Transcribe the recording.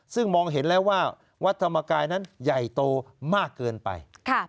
ซึ่งมองเห็นแล้วว่าวัดธรรมกายนั้นใหญ่โตมากเกินไป